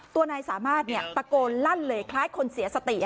ตัวนายสามารถตะโกนลั่นเลยคล้ายคนเสียสติ